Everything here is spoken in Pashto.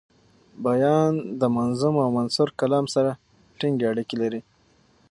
بیان د منظوم او منثور کلام سره ټینګي اړیکي لري.